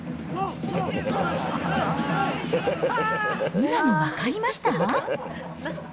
今の分かりました？